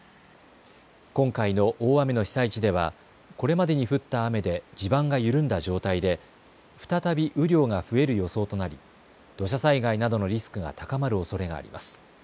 今回の大雨の被災地ではこれまでに降った雨で地盤が緩んだ状態で再び雨量が増える予想となり土砂災害などのリスクが高まるおそれがあります。